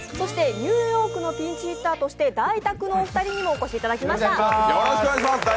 そしてニューヨークのピンチヒッターとしてダイタクのお二人にもお越しいただきました。